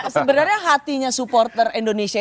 sebenarnya hatinya supporter indonesia itu